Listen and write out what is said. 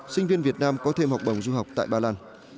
sinh viên việt nam có thêm học bổng du học tại ba lan